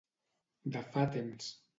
De fa temps.